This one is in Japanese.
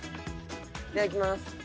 いただきます。